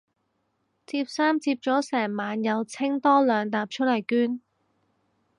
摺衫摺咗成晚又清多兩疊出嚟捐